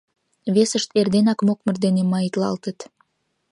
Весышт эрденак мокмыр дене маитлалтыт.